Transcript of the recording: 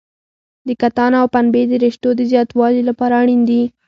د کتان او پنبې د رشتو د زیاتوالي لپاره اړین دي.